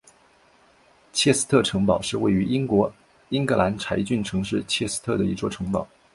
切斯特城堡是位于英国英格兰柴郡城市切斯特的一座城堡。